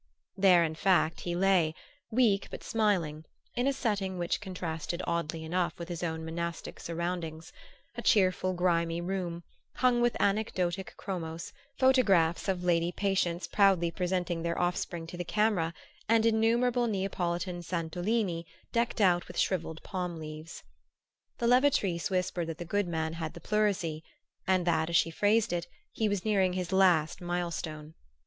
There in fact he lay, weak but smiling, in a setting which contrasted oddly enough with his own monastic surroundings: a cheerful grimy room, hung with anecdotic chromos, photographs of lady patients proudly presenting their offspring to the camera, and innumerable Neapolitan santolini decked out with shrivelled palm leaves. The levatrice whispered that the good man had the pleurisy, and that, as she phrased it, he was nearing his last mile stone.